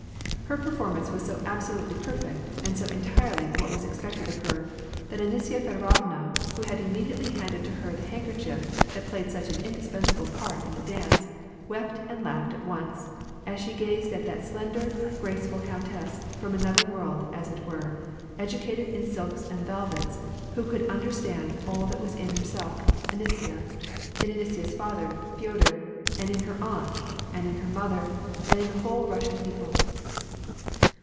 Her performance was so absolutely perfect, and so entirely what was expected of her, that Anisya Feodorovna, who had immediately handed to her the handkerchief that played such an indispensable part in the dance, wept and laughed at once, as she gazed at that slender, graceful countess, from another world as it were, educated in silks and velvets, who could un derstand all that was in herself — Anisya ; in Anisya's father, Feodor ; and in her aunt, and in her mother, and in the whole Russian people.